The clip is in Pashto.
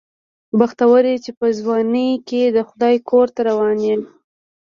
بختور یې چې په ځوانۍ کې د خدای کور ته روان یې.